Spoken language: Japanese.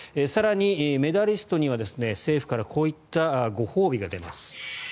更にメダリストには政府からこういったご褒美が出ます。